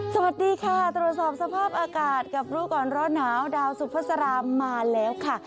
สวัสดีค่ะตรวจสอบสภาพอากาศกับรู้ก่อนร้อนหนาวดาวสุภาษามาแล้วค่ะ